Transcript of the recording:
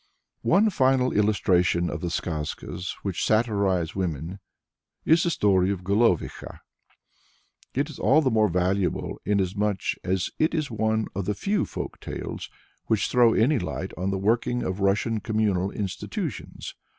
Our final illustration of the Skazkas which satirize women is the story of the Golovikha. It is all the more valuable, inasmuch as it is one of the few folk tales which throw any light on the working of Russian communal institutions.